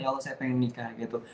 ya allah saya pengen nikah gitu